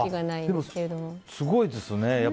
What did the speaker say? でも、すごいですね。